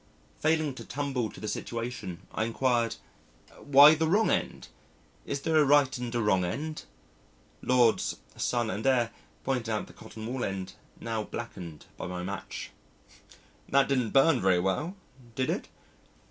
Failing to tumble to the situation, I inquired, "Why the wrong end? Is there a right and a wrong end?" Lord 's son and heir pointed out the cotton wool end, now blackened by my match. "That didn't burn very well, did it?"